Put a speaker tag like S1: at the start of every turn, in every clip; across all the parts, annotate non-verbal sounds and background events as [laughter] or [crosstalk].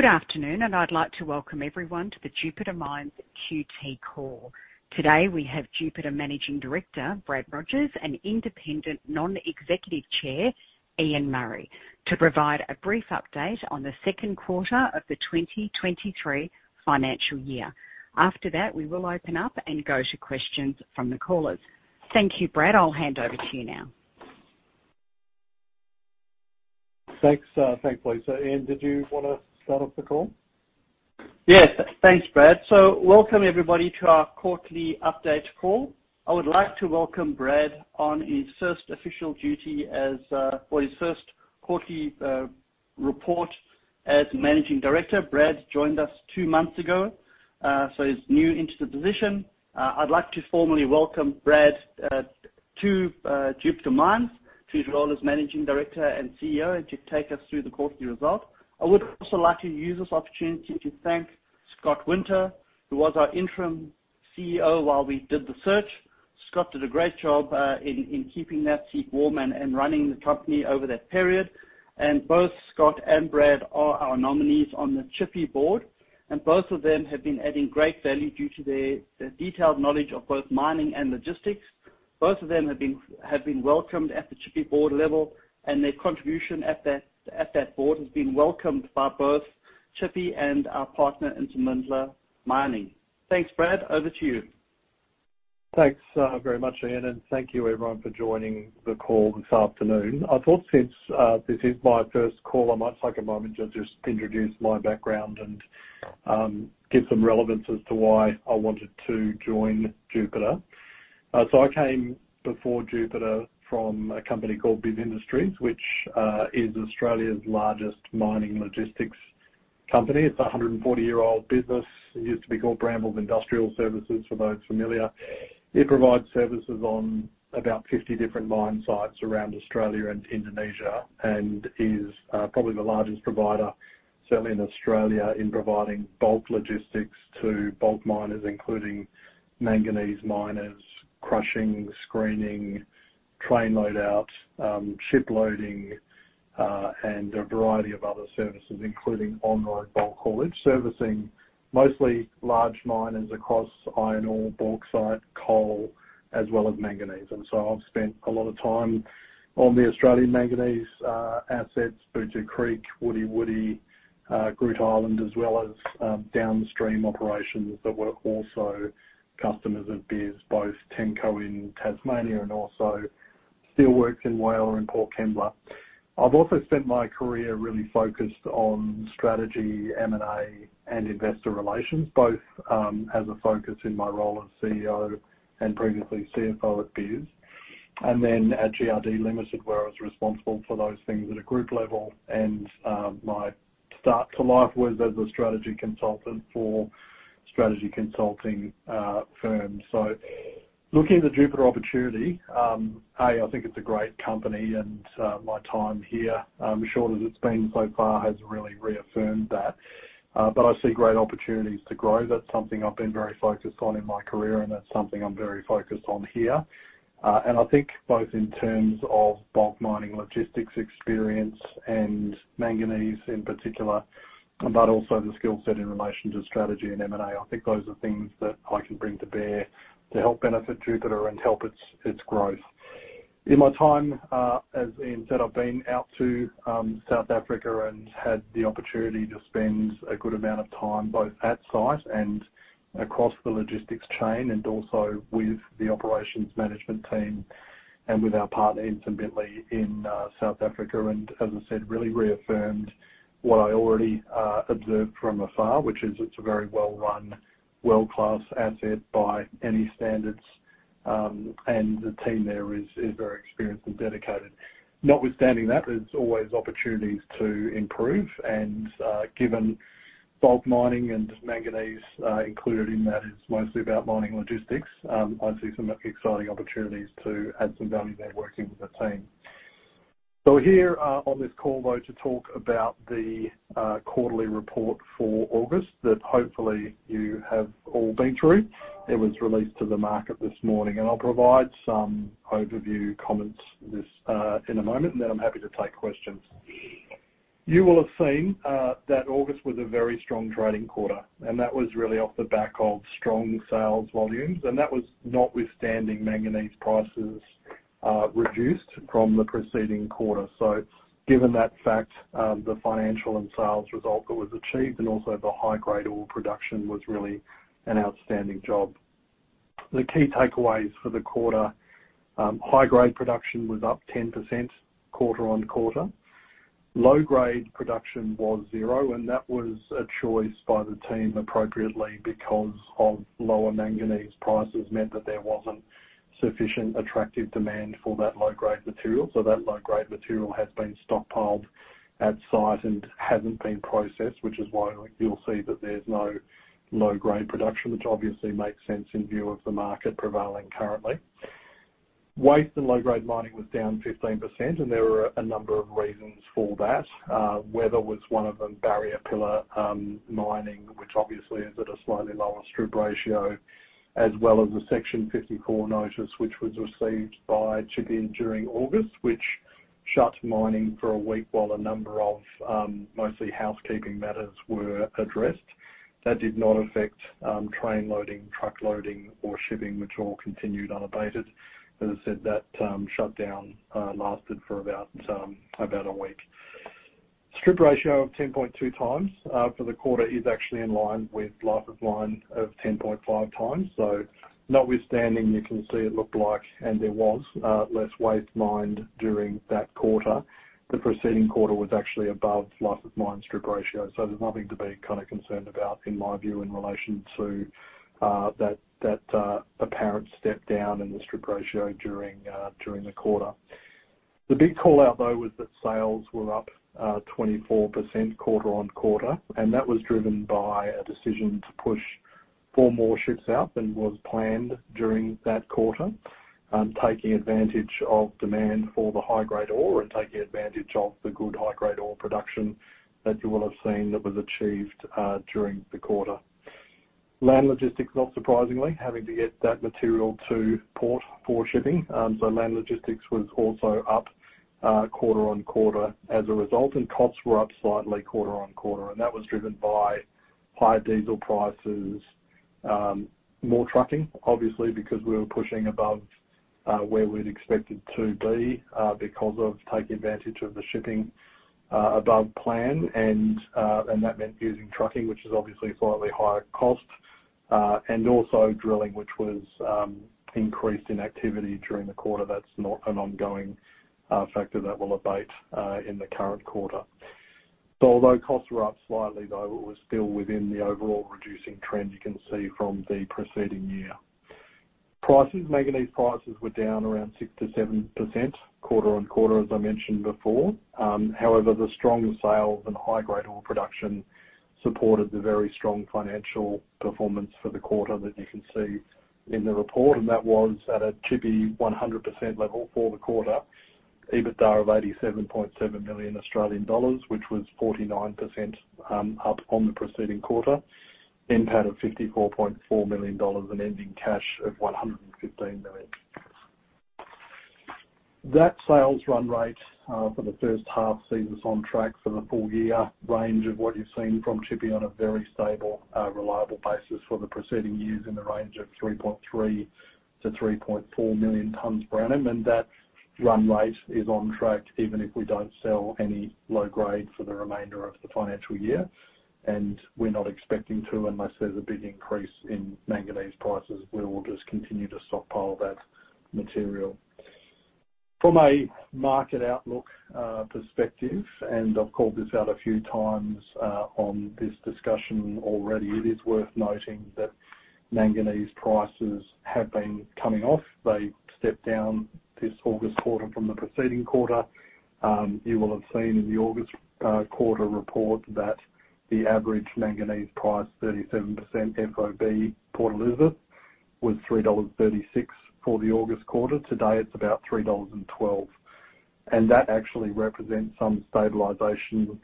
S1: Good afternoon, and I'd like to welcome everyone to the Jupiter Mines Q2 call. Today, we have Jupiter Managing Director, Brad Rogers, and Independent Non-Executive Chair, Ian Murray, to provide a brief update on the second quarter of the 2023 financial year. After that, we will open up and go to questions from the callers. Thank you, Brad. I'll hand over to you now.
S2: Thanks, Lisa. Ian, did you wanna start off the call?
S3: Yes. Thanks, Brad. Welcome everybody to our quarterly update call. I would like to welcome Brad for his first quarterly report as Managing Director. Brad joined us two months ago. He's new into the position. I'd like to formally welcome Brad to Jupiter Mines to his role as Managing Director and CEO, and to take us through the quarterly result. I would also like to use this opportunity to thank Scott Winter, who was our interim CEO while we did the search. Scott did a great job in keeping that seat warm and running the company over that period. Both Scott and Brad are our nominees on the Tshipi Board, and both of them have been adding great value due to their detailed knowledge of both mining and logistics. Both of them have been welcomed at the Tshipi Board level, and their contribution at that Board has been welcomed by both Tshipi and our partner in Ntsimbintle Mining. Thanks, Brad. Over to you.
S2: Thanks, very much, Ian, and thank you everyone for joining the call this afternoon. I thought since this is my first call, I might take a moment to just introduce my background and give some relevance as to why I wanted to join Jupiter. I came before Jupiter from a company called Bis Industries, which is Australia's largest mining logistics company. It's a 140-year-old business. It used to be called Brambles Industrial Services, for those familiar. It provides services on about 50 different mine sites around Australia and Indonesia, and is probably the largest provider, certainly in Australia, in providing bulk logistics to bulk miners, including manganese miners, crushing, screening, train load out, ship loading, and a variety of other services, including on-road bulk haulage. Servicing mostly large miners across iron ore, bauxite, coal, as well as manganese. I've spent a lot of time on the Australian manganese assets, Bootu Creek, Woodie Woodie, Groote Eylandt, as well as downstream operations that were also customers of Bis, both TEMCO in Tasmania and also steel works in Whyalla and Port Kembla. I've also spent my career really focused on strategy, M&A, and investor relations, both as a focus in my role as CEO and previously CFO at Bis. At GRD Limited, where I was responsible for those things at a group level and my start to life was as a strategy consultant for strategy consulting firms. Looking at the Jupiter opportunity, A, I think it's a great company, and my time here, short as it's been so far, has really reaffirmed that. I see great opportunities to grow. That's something I've been very focused on in my career, and that's something I'm very focused on here. I think both in terms of bulk mining logistics experience and manganese in particular, but also the skill set in relation to strategy and M&A. I think those are things that I can bring to bear to help benefit Jupiter and help its growth. In my time, as Ian said, I've been out to South Africa and had the opportunity to spend a good amount of time, both at site and across the logistics chain, and also with the operations management team and with our partner, Ntsimbintle, in South Africa. As I said, really reaffirmed what I already observed from afar, which is it's a very well-run, world-class asset by any standards. The team there is very experienced and dedicated. Notwithstanding that, there's always opportunities to improve. Given bulk mining and manganese, included in that, is mostly about mining logistics. I see some exciting opportunities to add some value there working with the team. We're here on this call though, to talk about the quarterly report for August that hopefully you have all been through. It was released to the market this morning. I'll provide some overview comments this in a moment, and then I'm happy to take questions. You will have seen that August was a very strong trading quarter, and that was really off the back of strong sales volumes, and that was notwithstanding manganese prices reduced from the preceding quarter. Given that fact, the financial and sales result that was achieved and also the high-grade ore production was really an outstanding job. The key takeaways for the quarter, high-grade production was up 10% quarter-on-quarter. Low-grade production was 0%, and that was a choice by the team appropriately because of lower manganese prices, meant that there wasn't sufficient attractive demand for that low-grade material. That low-grade material has been stockpiled at site and hasn't been processed, which is why you'll see that there's no low-grade production. Which obviously makes sense in view of the market prevailing currently. Waste and low-grade mining was down 15%, and there are a number of reasons for that. Weather was one of them. Barrier pillar mining, which obviously is at a slightly lower strip ratio, as well as the Section 54 notice, which was received by Tshipi during August, which shut mining for a week while a number of mostly housekeeping matters were addressed. That did not affect train loading, truck loading, or shipping, which all continued unabated. As I said, that shutdown lasted for about a week. Strip ratio of 10.2x for the quarter is actually in line with life of mine of 10.5x. Notwithstanding, you can see it looked like, and there was less waste mined during that quarter. The preceding quarter was actually above life of mine strip ratio, so there's nothing to be kinda concerned about in my view in relation to that apparent step down in the strip ratio during the quarter. The big call-out, though, was that sales were up 24% quarter-on-quarter, and that was driven by a decision to push four more ships out than was planned during that quarter, taking advantage of demand for the high-grade ore and taking advantage of the good high-grade ore production that you will have seen that was achieved during the quarter. Land logistics, not surprisingly, having to get that material to port for shipping. Land logistics was also up quarter-on-quarter as a result, and costs were up slightly quarter-on-quarter, and that was driven by higher diesel prices. More trucking, obviously, because we were pushing above where we'd expected to be because of taking advantage of the shipping above plan. That meant using trucking, which is obviously a slightly higher cost. Also drilling, which was increased in activity during the quarter. That's not an ongoing factor. That will abate in the current quarter. Although costs were up slightly, though, it was still within the overall reducing trend you can see from the preceding year. Prices, manganese prices were down around 6%-7% quarter-on-quarter, as I mentioned before. However, the stronger sales and high-grade ore production supported the very strong financial performance for the quarter that you can see in the report, and that was at a Tshipi 100% level for the quarter. EBITDA of 87.7 million Australian dollars, which was 49% up on the preceding quarter. NPAT of 54.4 million dollars and ending cash of 115 million. That sales run rate for the first-half sees us on track for the full-year range of what you've seen from Tshipi on a very stable, reliable basis for the preceding years in the range of 3.3 million-3.4 million tons per annum. That run rate is on track even if we don't sell any low grade for the remainder of the financial year. We're not expecting to, unless there's a big increase in manganese prices, we will just continue to stockpile that material. From a market outlook perspective, and I've called this out a few times on this discussion already, it is worth noting that manganese prices have been coming off. They stepped down this August quarter from the preceding quarter. You will have seen in the August quarter report that the average manganese price, 37% FOB Port Elizabeth, was $3.36 for the August quarter. Today, it's about $3.12. That actually represents some stabilization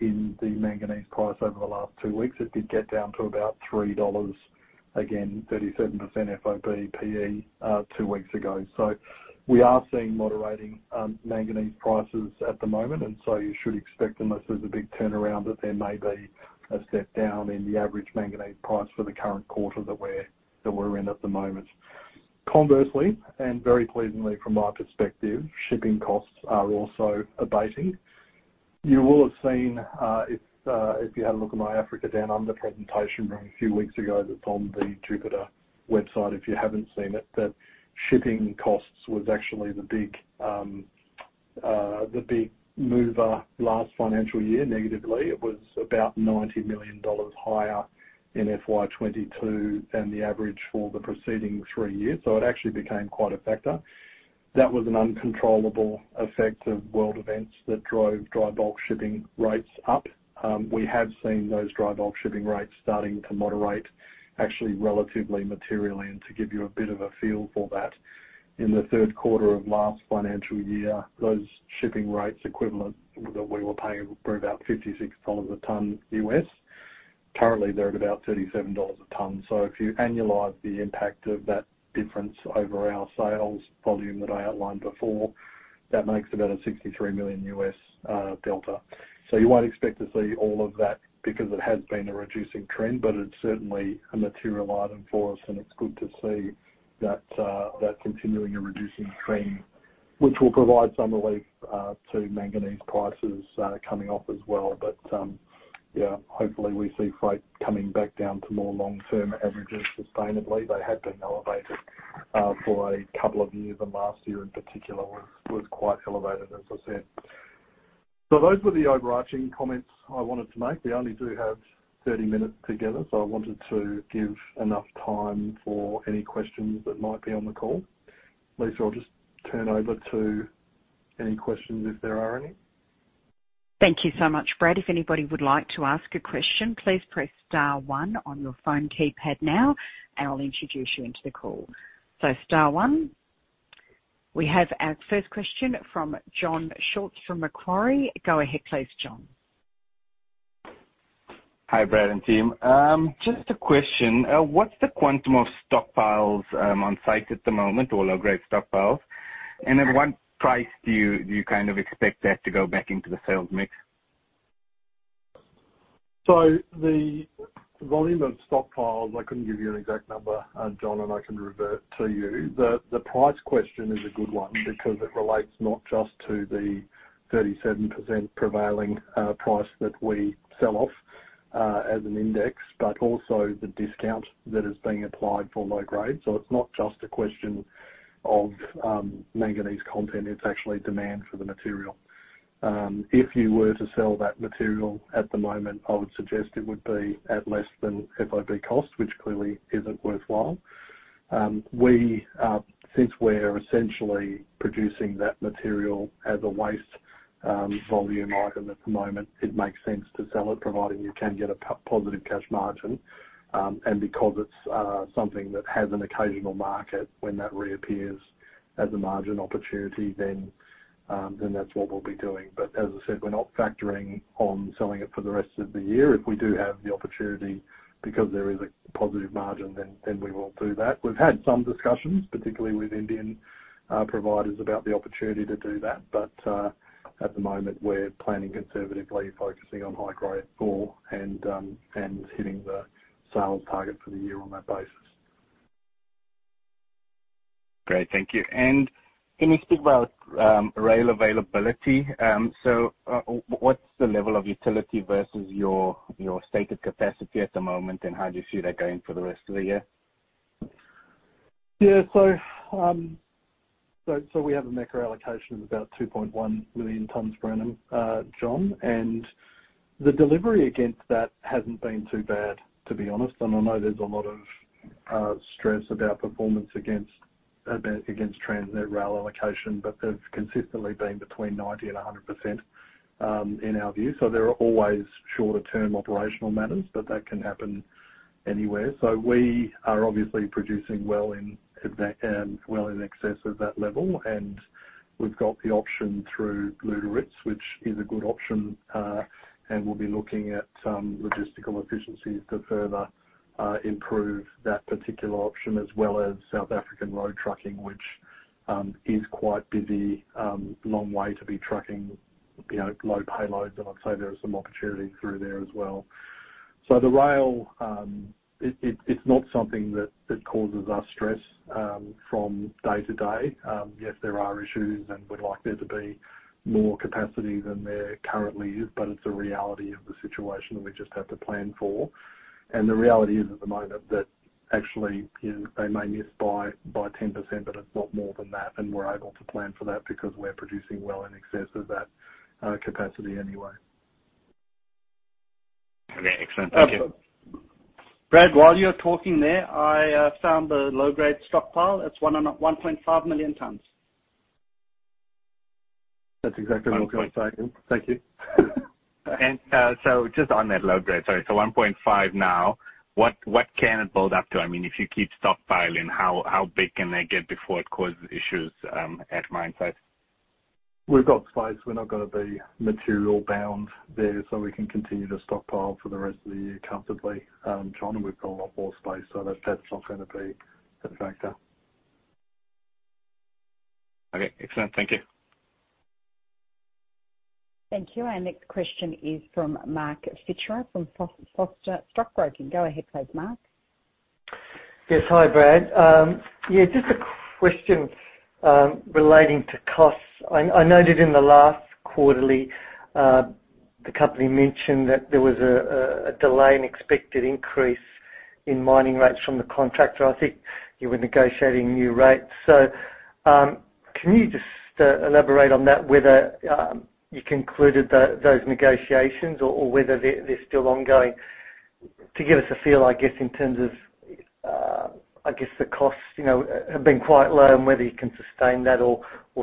S2: in the manganese price over the last two weeks. It did get down to about $3, again, 37% FOB PE, two weeks ago. We are seeing moderating manganese prices at the moment, and you should expect, unless there's a big turnaround, that there may be a step down in the average manganese price for the current quarter that we're in at the moment. Conversely, and very pleasingly from my perspective, shipping costs are also abating. You will have seen if you had a look at my Africa Down Under presentation from a few weeks ago that's on the Jupiter website if you haven't seen it, that shipping costs was actually the big mover last financial year negatively. It was about 90 million dollars higher in FY22 than the average for the preceding three years. It actually became quite a factor. That was an uncontrollable effect of world events that drove dry bulk shipping rates up. We have seen those dry bulk shipping rates starting to moderate actually relatively materially. To give you a bit of a feel for that, in the third quarter of last financial year, those shipping rates equivalent we were paying were about $56 a ton. Currently, they're at about $37 a ton. If you annualize the impact of that difference over our sales volume that I outlined before, that makes about a $63 million delta. You won't expect to see all of that because it has been a reducing trend, but it's certainly a material item for us and it's good to see that continuing and reducing trend, which will provide some relief to manganese prices coming off as well. Yeah, hopefully we see freight coming back down to more long-term averages sustainably. They have been elevated for a couple of years, and last year in particular was quite elevated, as I said. Those were the overarching comments I wanted to make. We only do have 30 minutes together, so I wanted to give enough time for any questions that might be on the call. Lisa, I'll just turn over to any questions if there are any.
S1: Thank you so much, Brad. If anybody would like to ask a question, please press star one on your phone keypad now and I'll introduce you into the call. So star one. We have our first question from Jon Scholtz from Macquarie. Go ahead, please, Jon.
S4: Hi, Brad and team. Just a question. What's the quantum of stockpiles on site at the moment? All our great stockpiles. At what price do you kind of expect that to go back into the sales mix?
S2: The volume of stockpiles, I couldn't give you an exact number, Jon, and I can revert to you. The price question is a good one because it relates not just to the 37% prevailing price that we sell off as an index, but also the discount that is being applied for low grade. It's not just a question of manganese content, it's actually demand for the material. If you were to sell that material at the moment, I would suggest it would be at less than FOB cost, which clearly isn't worthwhile. Since we're essentially producing that material as a waste volume item at the moment, it makes sense to sell it, providing you can get a positive cash margin. Because it's something that has an occasional market, when that reappears as a margin opportunity, then that's what we'll be doing. But as I said, we're not factoring on selling it for the rest of the year. If we do have the opportunity because there is a positive margin, then we will do that. We've had some discussions, particularly with Indian providers about the opportunity to do that. But at the moment, we're planning conservatively, focusing on high-grade ore and hitting the sales target for the year on that basis.
S4: Great. Thank you. Can you speak about rail availability? What's the level of utility versus your stated capacity at the moment, and how do you see that going for the rest of the year?
S2: Yeah. We have a macro allocation of about 2.1 million tons, Jon, and the delivery against that hasn't been too bad, to be honest. I know there's a lot of stress about performance against Transnet rail allocation, but they've consistently been between 90%-100% in our view. There are always shorter-term operational matters, but that can happen anywhere. We are obviously producing well in excess of that level. We've got the option through Lüderitz, which is a good option, and we'll be looking at some logistical efficiencies to further improve that particular option, as well as South African road trucking, which is quite busy, long way to be trucking, you know, low payloads. I'd say there are some opportunities through there as well. The rail, it's not something that causes us stress from day to day. Yes, there are issues, and we'd like there to be more capacity than there currently is, but it's a reality of the situation we just have to plan for. The reality is at the moment that actually, you know, they may miss by 10%, but it's not more than that. We're able to plan for that because we're producing well in excess of that capacity anyway.
S4: Okay, excellent. Thank you.
S2: Um.
S4: Brad, while you're talking there, I found the low-grade stockpile. It's 1.5 million tons.
S2: That's exactly what we're saying. Thank you.
S4: Just on that low grade. Sorry, 1.5 million now, what can it build up to? I mean, if you keep stockpiling, how big can they get before it causes issues at mine site?
S2: We've got space. We're not gonna be material bound there, so we can continue to stockpile for the rest of the year comfortably, Jon. We've got a lot more space, so that's not gonna be a factor.
S4: Okay, excellent. Thank you.
S1: Thank you. Our next question is from Mark Fichera from Foster Stockbroking. Go ahead, please, Mark.
S5: Yes. Hi, Brad. Yeah, just a question relating to costs. I noted in the last quarterly, the company mentioned that there was a delay in expected increase in mining rates from the contractor. I think you were negotiating new rates. Can you just elaborate on that, whether you concluded those negotiations or whether they're still ongoing? To give us a feel, I guess, in terms of the costs, you know, have been quite low and whether you can sustain that or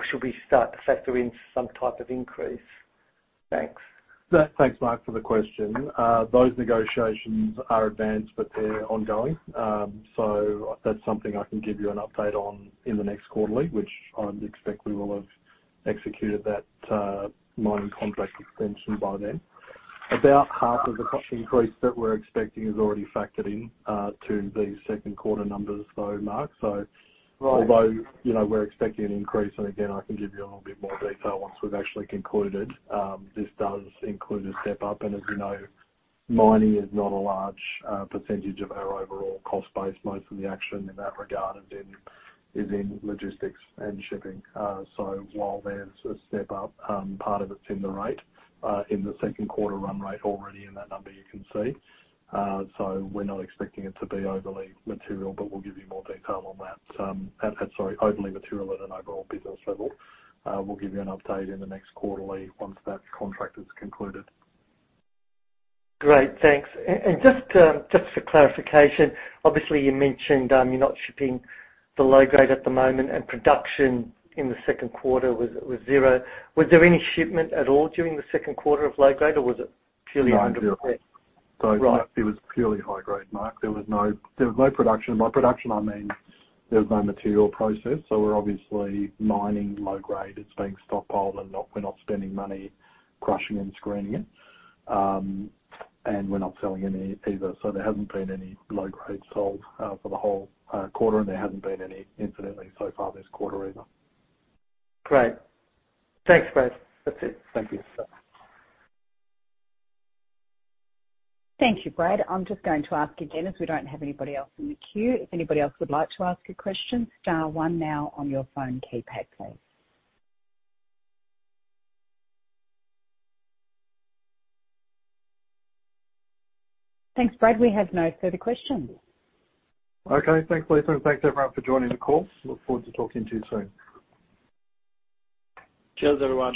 S5: should we start to factor in some type of increase? Thanks.
S2: Thanks, Mark, for the question. Those negotiations are advanced, but they're ongoing. That's something I can give you an update on in the next quarterly, which I'd expect we will have executed that mining contract extension by then. About half of the cost increase that we're expecting is already factored in to the second quarter numbers, though, Mark. Although you know, we're expecting an increase, and again, I can give you a little bit more detail once we've actually concluded. This does include a step-up. As you know, mining is not a large percentage of our overall cost base. Most of the action in that regard is in logistics and shipping. While there's a step up, part of it's in the rate in the second quarter run rate already in that number you can see. We're not expecting it to be overly material, but we'll give you more detail on that. Overly material at an overall business level. We'll give you an update in the next quarterly once that contract is concluded.
S5: Great. Thanks. Just for clarification, obviously you mentioned you're not shipping the low grade at the moment, and production in the second quarter was 0%. Was there any shipment at all during the second quarter of low grade, or was it purely 100%? [crosstalk] Right.
S2: It was purely high grade, Mark. There was no production. By production, I mean, there was no material processed. We're obviously mining low grade. It's being stockpiled, and we're not spending money crushing and screening it. We're not selling any either. There hasn't been any low grade sold for the whole quarter, and there hasn't been any incidentally so far this quarter either.
S5: Great. Thanks, Brad. That's it.
S2: Thank you.
S1: Thank you, Brad. I'm just going to ask again as we don't have anybody else in the queue. If anybody else would like to ask a question, star one now on your phone keypad, please. Thanks, Brad. We have no further questions.
S2: Okay. Thanks, Lisa. Thanks, everyone for joining the call. Look forward to talking to you soon.
S3: Cheers, everyone.